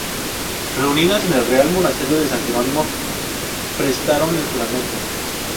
Reunidas en el Real Monasterio de San Jerónimo prestaron el juramento.